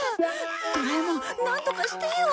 ドラえもんなんとかしてよ！